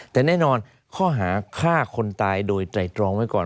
แต่แน่นอนข้อหาฆ่าคนตายโดยไตรตรองไว้ก่อน